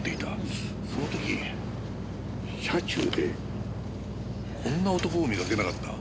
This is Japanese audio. その時車中でこんな男を見かけなかった？